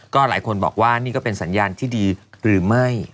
ก็หลายคนบอกว่านี่ก็เป็นสัญญาณที่ดีหรือไม่